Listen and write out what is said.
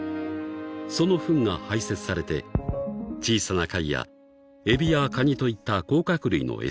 ［そのふんが排せつされて小さな貝やエビやカニといった甲殻類の餌になる］